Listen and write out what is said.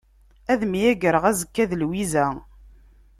Ad myagreɣ azekka d Lwiza.